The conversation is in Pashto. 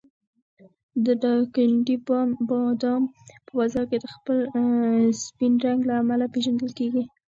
د دایکنډي بادام په بازار کې د خپل سپین رنګ له امله پېژندل کېږي.